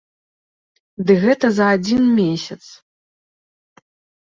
Ды гэта за адзін месяц.